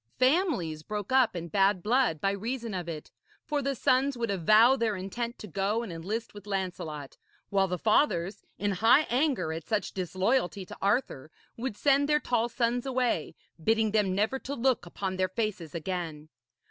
Families broke up in bad blood by reason of it, for the sons would avow their intent to go and enlist with Lancelot, while the fathers, in high anger at such disloyalty to Arthur, would send their tall sons away, bidding them never to look upon their faces again.